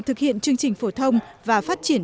thực hiện chương trình phổ thông và phát triển